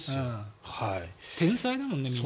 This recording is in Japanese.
天才だもんね、みんな。